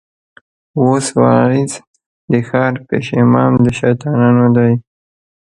اوس واعظ د ښار پېش امام د شيطانانو دی